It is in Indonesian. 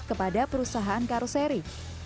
kepada perusahaan karuseri